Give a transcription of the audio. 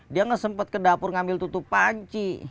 dia gak sempet ke dapur ngambil tutup panci